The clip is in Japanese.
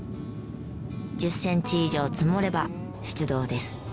１０センチ以上積もれば出動です。